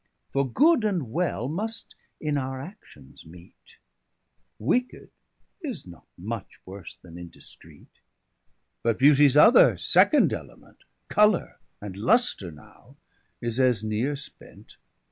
For good, and well, must in our actions meete; Wicked is not much worse than indiscreet. But beauties other second Element, Colour, and lustre now, is as neere spent.